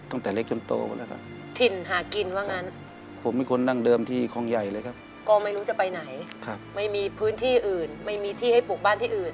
ตั้งแต่เล็กจนโตไปแล้วครับ